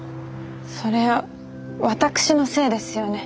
それ私のせいですよね。